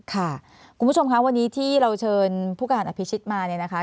ค่ะคุณผู้ชมค่ะวันนี้ที่เราเชิญผู้การอภิชิตมาเนี่ยนะคะ